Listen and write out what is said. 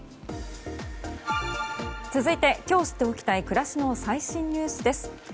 続いて今日知っておきたい暮らしの最新ニュースです。